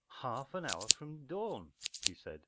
“ Half an hour from dawn,” he said.